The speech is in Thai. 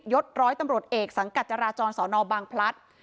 ศร้อยตำรวจเอกสังกัดจราจรสอนอบางพลัด